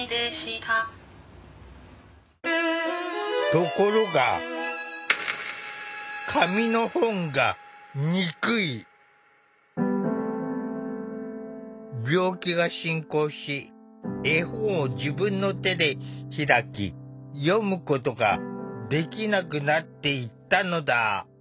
ところが病気が進行し絵本を自分の手で開き読むことができなくなっていったのだ。